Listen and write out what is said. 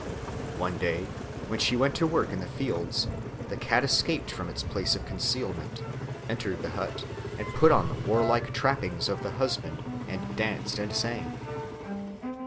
One day, when she went to work in the fields, the cat escaped from its place of concealment, entered the hut, put on the warlike trappings of the husband, and danced and sang.